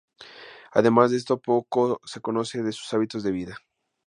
Además de esto poco se conocen de sus hábitos de vida.